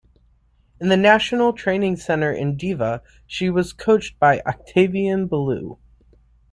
In the national training center in Deva, she was coached by Octavian Belu.